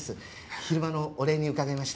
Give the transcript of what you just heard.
昼間のお礼に伺いました。